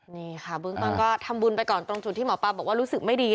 นี่ค่ะเบื้องต้นก็ทำบุญไปก่อนตรงจุดที่หมอปลาบอกว่ารู้สึกไม่ดี